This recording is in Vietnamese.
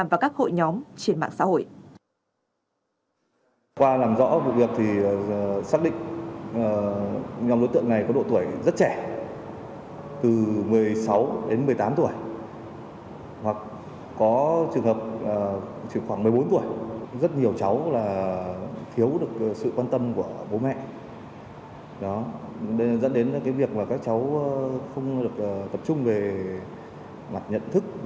và các hội nhóm trên mạng xã hội